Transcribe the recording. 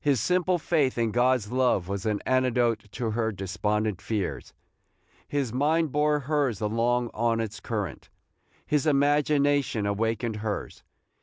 His simple faith in God's love was an antidote to her despondent fears. His mind bore hers along on its current. His imagination awakened hers.